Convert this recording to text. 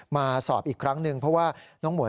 มาสอบอีกครั้งหนึ่งเพราะว่าน้องหมวย